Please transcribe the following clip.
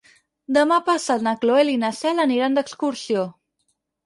Demà passat na Cloè i na Cel aniran d'excursió.